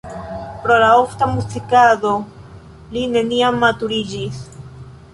Pro la ofta muzikado li neniam maturiĝis.